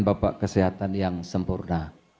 bapak kesehatan yang sempurna